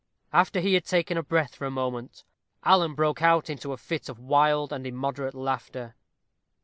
After he had taken breath for a moment, Alan broke out into a fit of wild and immoderate laughter.